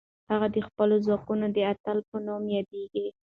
هغه د خپلو ځواکونو د اتل په نوم یادېږي.